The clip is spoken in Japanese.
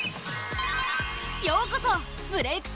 ようこそ「ブレイクッ！」